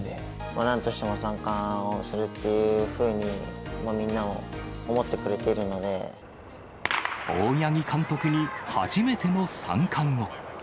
なんとしても三冠をするっていうふうに、大八木監督に初めての三冠を。